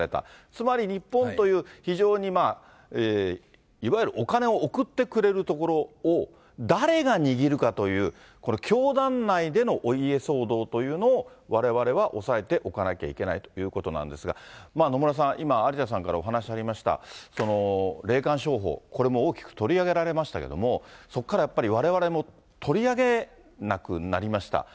つまり日本という非常にまあ、いわゆるお金を送ってくれるところを、誰が握るかという、これ、教団内でのお家騒動というのをわれわれは押さえておかなきゃいけないということなんですが、野村さん、今、有田さんからお話ありました、霊感商法、これ、大きく取り上げられましたけれども、そこからやっぱり、われわれも取り上げなくなりました。